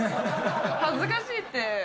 恥ずかしいって。